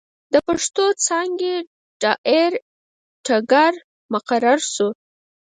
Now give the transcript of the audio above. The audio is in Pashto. َد پښتو څانګې ډائرکټر مقرر شو